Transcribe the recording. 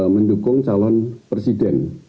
mendukung calon presiden